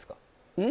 うん？